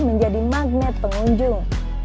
menjadi magnet pengunjung